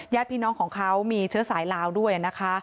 พี่น้องของเขามีเชื้อสายลาวด้วยนะคะ